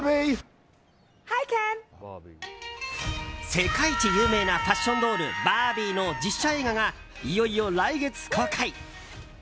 世界一有名なファッションドール、バービーの実写映画がいよいよ来月公開。